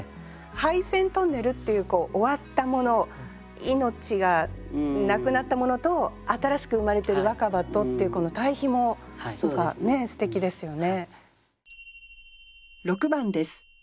廃線トンネルっていう終わったもの命がなくなったものと新しく生まれてる若葉とっていうこの対比もすてきですよね。